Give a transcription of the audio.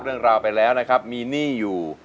เรื่องราวไปแล้วนะครับมีหนี้อยู่